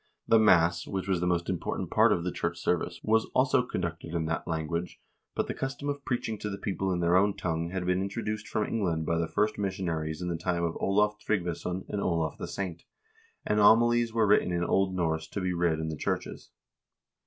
The mass, which was the most important part of the church service, was also conducted in that language, but the custom of preaching to the people in their own tongue had been introduced from England by the first missionaries in the time of Olav Tryggvason and Olav the Saint, and homilies were written in Old Norse to be read in the churches.